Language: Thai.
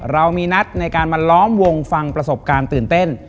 เรามีนัดในการมาล้อมวงฟังประสบการณ์ตื่นเต้น